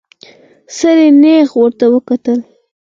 سړي نيغ ورته وکتل.